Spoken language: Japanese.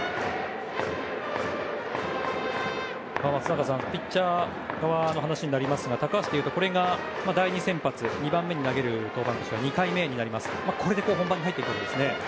松坂さんピッチャー側の話になりますが高橋はこれが第２先発２番目に投げる登板は２回目になりますがこれで本番に入るわけですよね。